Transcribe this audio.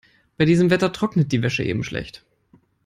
Bei diesem Wetter trocknet die Wäsche eben schlecht.